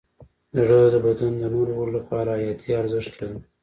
زړه د بدن د نورو غړو لپاره حیاتي ارزښت لري.